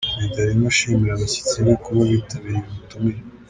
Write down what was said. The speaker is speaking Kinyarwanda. Meddy arimo ashimira abashyitsi be kuba bitabiriye ubutumire.